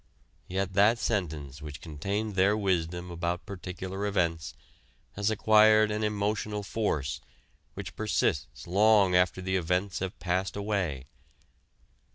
Yet that sentence which contained their wisdom about particular events has acquired an emotional force which persists long after the events have passed away.